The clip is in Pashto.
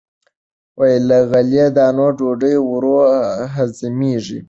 له غلې- دانو ډوډۍ ورو هضمېږي.